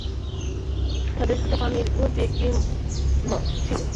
তাদের সাথে পানি ভর্তি একটি মশক ছিল।